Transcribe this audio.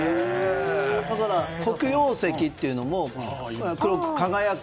だから、黒曜石というのも黒く輝く。